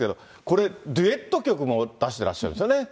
これ、デュエット曲も出してらっしゃるんですよね。